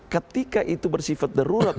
ketika itu bersifat darurat